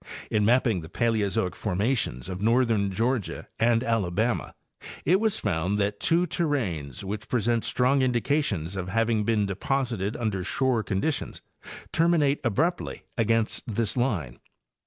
In mapping the Paleozoic formations of northern Georgia and Alabama it was found that two terranes which present strong indications of having been deposited under shore conditions terminate abruptly against this line.